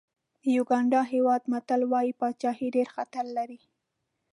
د یوګانډا هېواد متل وایي پاچاهي ډېر خطر لري.